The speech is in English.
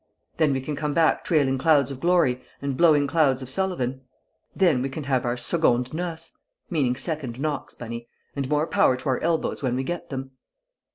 Then we can come back trailing clouds of glory, and blowing clouds of Sullivan. Then we can have our secondes noces meaning second knocks, Bunny, and more power to our elbows when we get them!"